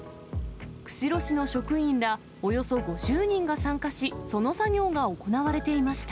釧路市の職員ら、およそ５０人が参加し、その作業が行われていました。